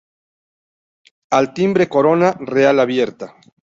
Al timbre, corona real abierta.